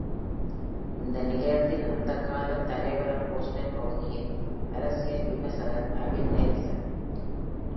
இந்த நிலையத்தின் அந்தக் கால தலைவர போஸ்டன்-பகுதியின் அரசியல் விமர்சகர் Avi Nelson..